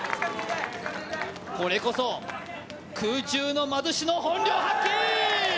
これこそ空中の魔術師の本領発揮！